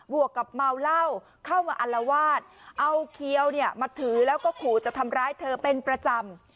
วกกับเมาเหล้าเข้ามาอัลวาดเอาเคี้ยวเนี่ยมาถือแล้วก็ขู่จะทำร้ายเธอเป็นประจำ